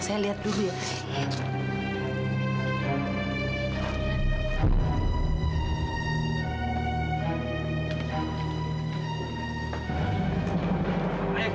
setelah saya ketemu